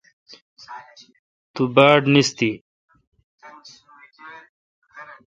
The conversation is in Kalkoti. تو۔ باڑنیستی